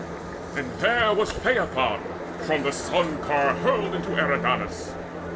And there was Phaethon from the Sun car hurled Into Eridanus.